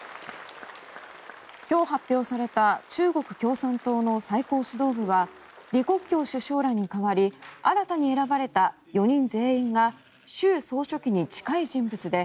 今日発表された中国共産党の最高指導部は李克強首相らに代わり新たに選ばれた４人全員が習総書記に近い人物で